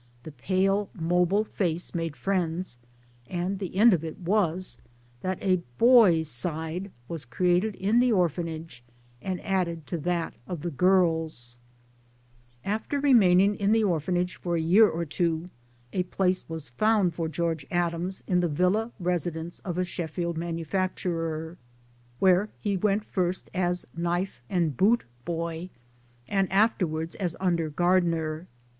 The pale mobile face made friends ; and the end of it was that a boys' side was created in the orphanage and added to that of the girls ! After remaining in the orphanage for a year or two a place was found for George Adams in the villa residence of a Sheffield manufacturer, where he went first as knife and boot boy and afterwards as under gardener.